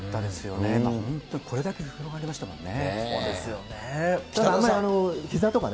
今、本当にこれだけ広がりましたもんね。